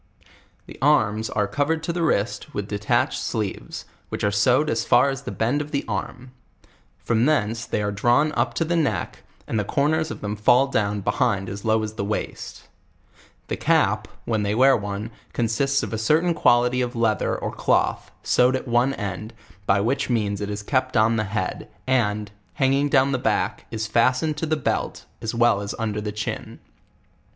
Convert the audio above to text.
The arms are covered to the wrist with de tatched sleeves, which are sewed as far as the bend of the arm; from tiseiice they are drawn up to the neck, and the cor ners of them fall duwa behind as low as the waist. The cap, when they wear ono, consists of a certain quantity of leath er or cloth, sewed at one end, by which means it is kept on the head, and, hanging down the back, is fastened to the belt, as well as under the ciiin.